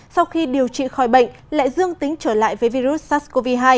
sau khi điều trị khỏi bệnh lại dương tính trở lại với virus sars cov hai